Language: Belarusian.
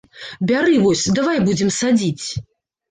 Бяры вось, давай будзем садзіць!